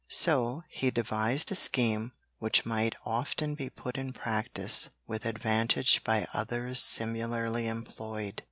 So he devised a scheme which might often be put in practice with advantage by others similarly employed.